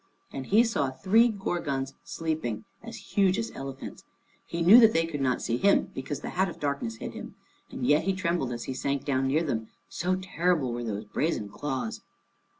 And he saw three Gorgons sleeping, as huge as elephants. He knew that they could not see him, because the hat of darkness hid him, and yet he trembled as he sank down near them, so terrible were those brazen claws.